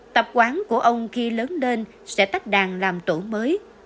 tập quán của ông khi lớn lên sẽ tách đàn làm tổ mới